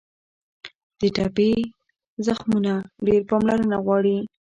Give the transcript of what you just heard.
د ټپي زخمونه ډېره پاملرنه غواړي.